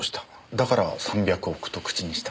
だから３００億と口にしたと。